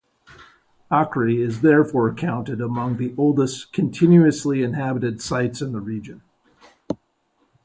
Acre is therefore counted among the oldest continuously inhabited sites in the region.